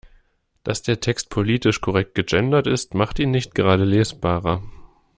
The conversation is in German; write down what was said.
Dass der Text politisch korrekt gegendert ist, macht ihn nicht gerade lesbarer.